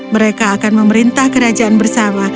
mereka akan memerintah kerajaan bersama